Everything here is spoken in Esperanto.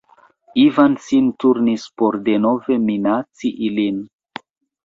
Ivan sin turnis por denove minaci ilin.